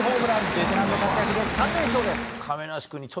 ベテランの活躍で３連勝です。